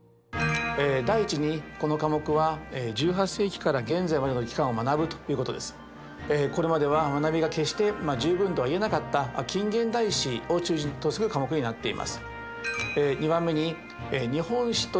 第１にこの科目はこれまでは学びが決して十分とは言えなかった近現代史を中心とする科目になっています。